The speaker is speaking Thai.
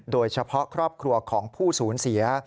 โดยเฉพาะครอบครัวของผู้สูญเสีย